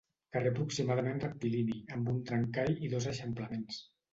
Carrer aproximadament rectilini, amb un trencall i dos eixamplaments.